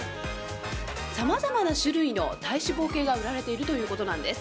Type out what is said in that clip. さまざまな種類の体脂肪計が売られているということなんです。